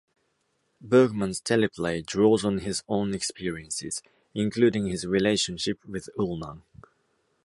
Bergman's teleplay draws on his own experiences, including his relationship with Ullmann.